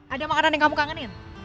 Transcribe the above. ada makanan yang kamu kangenin